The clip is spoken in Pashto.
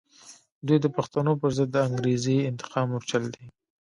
دوی د پښتنو پر ضد د انګریزي انتقام مورچل دی.